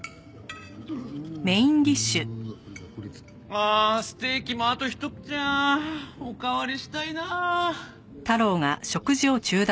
ああステーキもあとひと口や。おかわりしたいなあ。